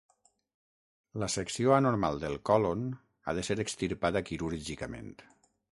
La secció anormal del còlon ha de ser extirpada quirúrgicament.